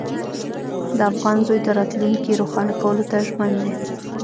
د افغان زوی د راتلونکي روښانه کولو ته ژمن دی.